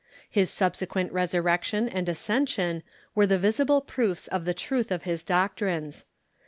His subsequent resurrec tion and ascension were the visible proofs of the truth of his doctrines.